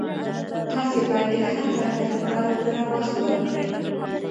تاسي باید د هر حرکت لپاره پوره وخت ورکړئ.